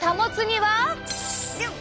よっ！